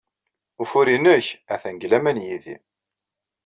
Ufur-nnek atan deg laman yid-i.